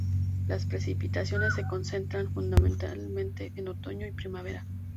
Las precipitaciones se concentran fundamentalmente en otoño y primavera.